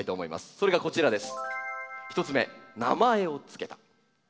それがこちらです。